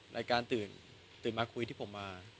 รายการตื่นมาคุยที่ผมมา